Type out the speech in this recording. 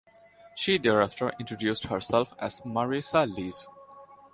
She thereafter introduced herself as Marisa Liz.